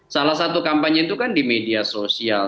salah satu kampanye itu kan di media sosial